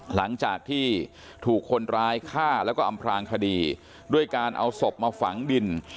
หลังจากที่ถูกคนร้ายฆ่าแล้วก็อำพลางคดีด้วยการเอาศพมาฝังดิน